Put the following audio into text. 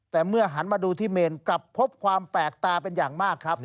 แต่เมื่อหันมาดูที่เมนกลับพบความแปลกตาเป็นอย่างมากครับ